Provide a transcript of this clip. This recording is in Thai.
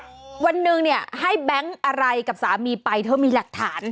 คือวันหนึ่งให้แบงก์อะไรกับสามีไปเธอมีหลักฐาน